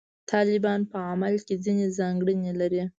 طالبان په عمل کې ځینې ځانګړنې لري.